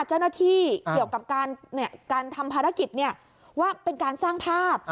เจ้าหน้าที่เกี่ยวกับการทำภารกิจว่าเป็นการสร้างภาพ